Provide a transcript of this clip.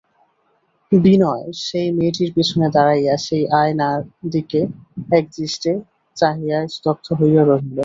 বিনয় সেই মেয়েটির পিছনে দাঁড়াইয়া সেই আয়নার দিকে একদৃষ্টে চাহিয়া স্তব্ধ হইয়া রহিল।